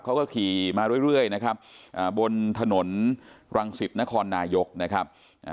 เขาก็ขี่มาเรื่อยนะครับบนถนนรังสิตนครนายกนะครับ